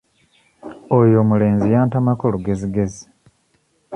Oyo omulenzi yantamako lugezigezi.